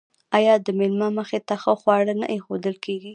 آیا د میلمه مخې ته ښه خواړه نه ایښودل کیږي؟